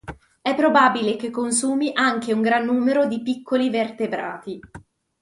È probabile che consumi anche un gran numero di piccoli vertebrati.